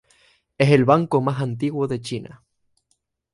Es el banco más antiguo de China.